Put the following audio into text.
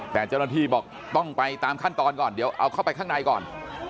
แต่เจ้าหน้าที่บอกต้องไปตามขั้นตอนก่อนเดี๋ยวเอาเข้าไปข้างในก่อน